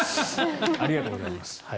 ありがとうございます。